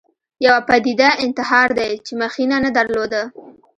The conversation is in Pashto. یوه پدیده انتحار دی چې مخینه نه درلوده